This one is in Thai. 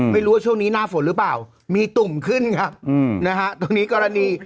ไม่รู้ว่าช่วงนี้หน้าฝนหรือเปล่ามีตุ่มขึ้นครับนะฮะตรงนี้กรณี